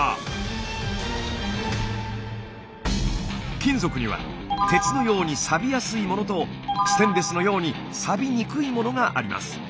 金属には鉄のようにサビやすいものとステンレスのようにサビにくいものがあります。